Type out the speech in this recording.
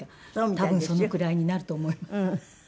多分そのくらいになると思います。